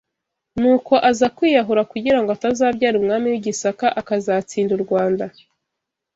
nuko aza kwiyahura kugirango atazabyara Umwami w’I Gisaka akazatsinda u Rwanda